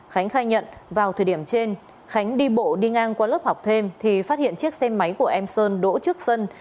khánh khai nhận vào thời điểm trên khánh đi bộ đi ngang qua lớp học thêm thì phát hiện chiếc xe máy của em sơn đỗ trước sân